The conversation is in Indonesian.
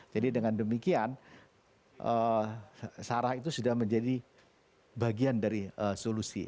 jadi dengan demikian sarah itu sudah menjadi bagian dari solusi